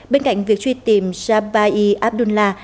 bên cạnh việc truy tìm jubai abdullah